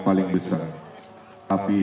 paling besar tapi